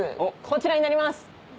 こちらになります。